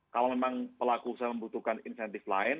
kalau memang pelaku usaha membutuhkan insentif lain